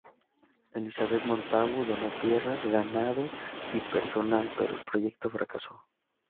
Elizabeth Montagu donó tierras, ganado y personal, pero el proyecto fracasó.